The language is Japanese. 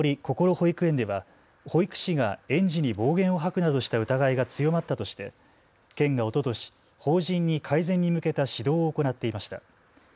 保育園では保育士が園児に暴言を吐くなどした疑いが強まったとして県がおととし法人に改善に向けた指導を行っていました。